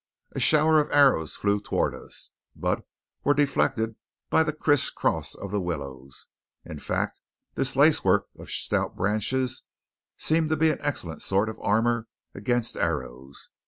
A shower of arrows flew toward us, but were deflected by the criss cross of the willows. In fact, this lacework of stout branches seemed to be an excellent sort of armour against arrows.